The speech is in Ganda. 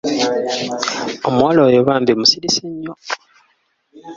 Omuwala oyo bambi musirise nnyo.